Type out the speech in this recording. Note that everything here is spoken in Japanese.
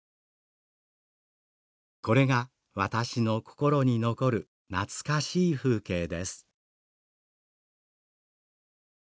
これが私の心に残る懐かしい風景です」。